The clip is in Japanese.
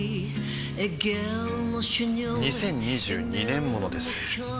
２０２２年モノです